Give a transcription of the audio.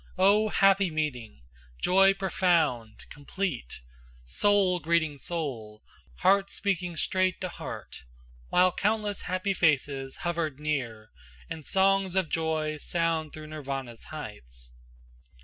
O happy meeting! joy profound, complete! Soul greeting soul, heart speaking straight to heart, While countless happy faces hovered near And song's of joy sound through Nirvana's heights.